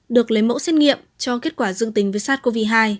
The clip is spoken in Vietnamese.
được lấy mẫu xét nghiệm cho kết quả dương tính với sars cov hai